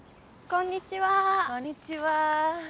こんにちは。